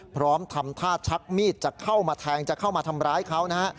พร้อมทำท่าชักมีดจะเข้ามาแทงจะเข้ามาทำร้ายเขานะฮะ